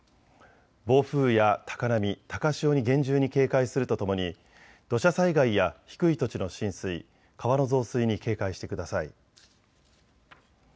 暴風や高波、高潮に厳重に警戒するとともに土砂災害や低い土地の浸水、川の増水に警戒してください。